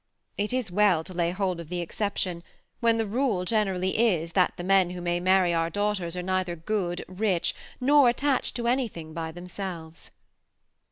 It is well to lay hold of the exception, when the rule generally is, that the men who may marry our daughters are neither good, rich, nor attached to any thing but themselves.